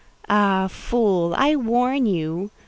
Ah, fool! I warn you!